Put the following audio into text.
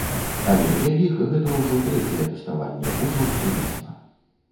Але для іх гэта ўжо трэцяе тэставанне, ужо ўсё ясна.